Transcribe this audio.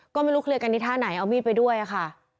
ก็ไม่รู้เคลียร์กันที่ท่าไหนเอามีดไปด้วยค่ะ